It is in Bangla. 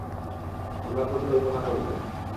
আমরা পরিকল্পনা করব।